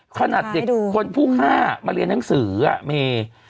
ขนาดเด็กคนผู้ฆ่ามาเรียนหนังสือเม